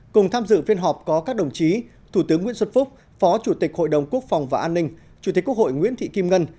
cùng tham dự phiên họp có các đồng chí thủ tướng nguyễn xuân phúc phó chủ tịch hội đồng quốc phòng và an ninh chủ tịch quốc hội nguyễn thị kim ngân